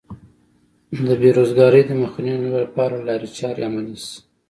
د بې روزګارۍ د مخنیوي لپاره لارې چارې عملي شي.